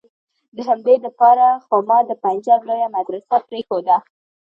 د همدې د پاره خو ما د پنجاب لويه مدرسه پرېخوده.